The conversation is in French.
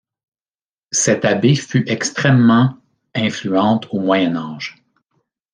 Cette abbaye fut extrêmement influente au Moyen Âge.